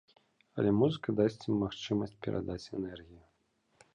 Але музыка дасць ім магчымасць перадаць энергію.